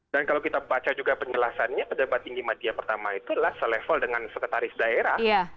dan kalau kita baca juga penjelasannya pejabat tinggi madia pertama itu adalah se level dengan sekretaris daerah